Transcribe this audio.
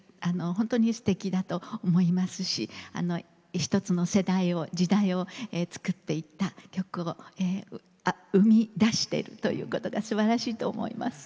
本当にすてきだと思いますし１つの世代を時代を作っていった曲を生みだしているということがすばらしいと思います。